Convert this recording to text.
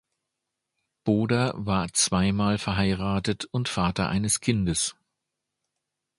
Boder war zweimal verheiratet und Vater eines Kindes.